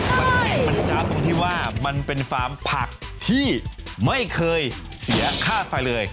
มันจ๊ะตรงที่ว่ามันเป็นฟาร์มผักที่ไม่เคยเสียค่าไฟเลย